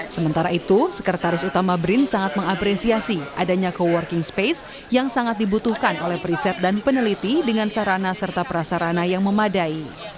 sementara itu sekretaris utama brin sangat mengapresiasi adanya co working space yang sangat dibutuhkan oleh periset dan peneliti dengan sarana serta prasarana yang memadai